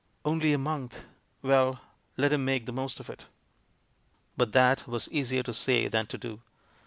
Only a month! Well, let him make the most of it ! But that was easier to say than to do.